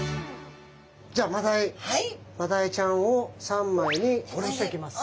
じゃあマダイちゃんを三枚におろしていきます。